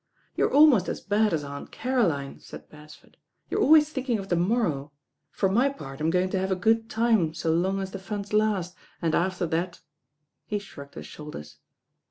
"You are ahnost as bad as Aunt Caroline," said Beresford. "You're always thinking of the mor row. For my part I'm going to have a good time so long as the funds last, and after that " he shrugged his shoulders.